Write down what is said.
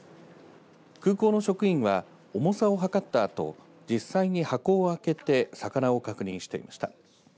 空港の職員は重さを測ったあと実際に箱を開けて魚を確認していました。